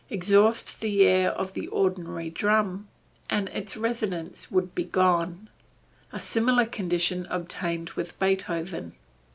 Exhaust the air of an ordinary drum, and its resonance would be gone. A similar condition obtained with Beethoven.